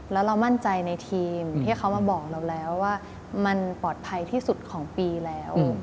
แล้วเรามั่นใจในทีมที่เขามาบอกเราแล้วว่ามันปลอดภัยที่สุดของปีแล้ว